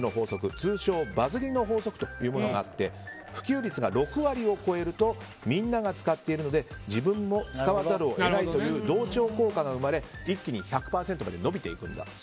通称バズりの法則というものがあって普及率が６割を超えるとみんなが使っているので自分も使わざるを得ないという同調効果が生まれ、一気に１００に伸びていくんだと。